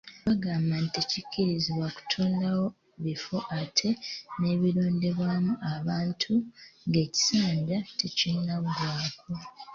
Bagamba nti tekikkirizibwa kutondawo bifo ate ne birondebwamu abantu ng'ekisanja tekinnaggwaako.